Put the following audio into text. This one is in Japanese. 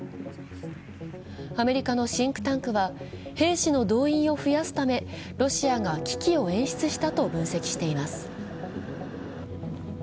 アメリカのシンクタンクは、兵士の動員を増やすためロシアが危機を演出したと分析しています。